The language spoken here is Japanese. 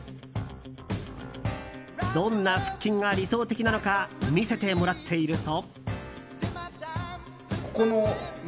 どんな腹筋が理想的なのか見せてもらっていると。